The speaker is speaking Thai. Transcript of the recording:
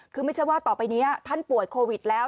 คือไม่ใช่ว่าต่อไปนี้ท่านป่วยโควิดแล้ว